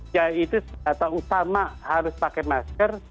ya itu setelah usama harus pakai masker